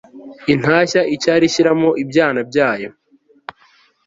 intashya icyari ishyiramo ibyana byayo